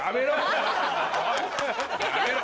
やめろ！